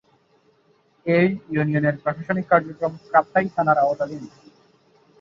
এ ইউনিয়নের প্রশাসনিক কার্যক্রম কাপ্তাই থানার আওতাধীন।